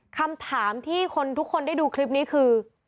คำถามที่คนทุกคนได้ดูคลิปนี้คือ